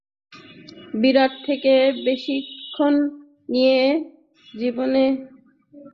বিটাক থেকে প্রশিক্ষণ নিয়ে বেকার জীবনের তকমা ঘুচিয়ে আলোর পথে আসছেন নারী-পুরুষেরা।